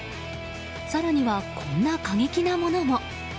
更にはこんな過激なものも。